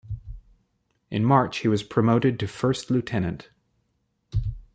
In March he was promoted to first lieutenant.